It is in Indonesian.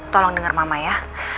tolong denger mama ya